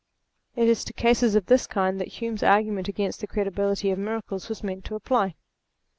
It is to cases of this kind that Hume's argu ment against the credibility of miracles was meant to apply.